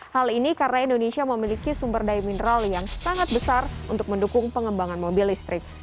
hal ini karena indonesia memiliki sumber daya mineral yang sangat besar untuk mendukung pengembangan mobil listrik